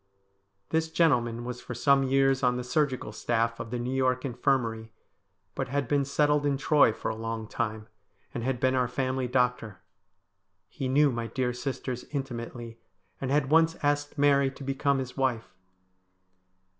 This gentleman was for some years on the surgical staff of the New York Infirmary, but had been settled in Troy for a long time, and had been our family doctor. He knew my dear sisters intimately, and had once asked Mary to become his wife.